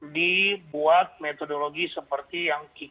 dibuat metodologi seperti yang kemudian kami sudah